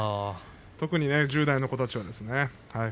特に１０代の子どもたちはですね。